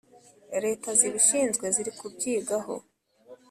Leta zibishinzwe zirikubyigaho.